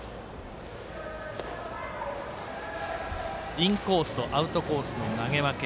インコースとアウトコースの投げ分け。